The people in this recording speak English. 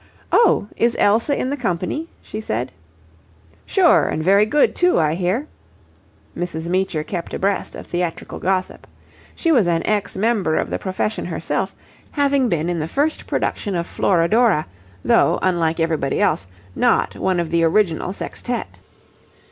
"Oh, is Elsa in the company?" she said. "Sure. And very good too, I hear." Mrs. Meecher kept abreast of theatrical gossip. She was an ex member of the profession herself, having been in the first production of "Florodora," though, unlike everybody else, not one of the original Sextette.